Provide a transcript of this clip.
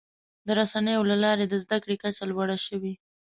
د رسنیو له لارې د زدهکړې کچه لوړه شوې.